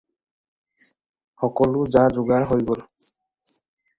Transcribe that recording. সকলো যা-যোগাৰ হৈ গ'ল।